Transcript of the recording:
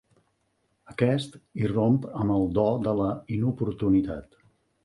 Aquest irromp amb el do de la inoportunitat.